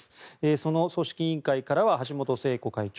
その組織委員会からは橋本聖子会長